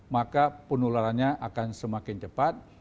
maka penularannya akan semakin cepat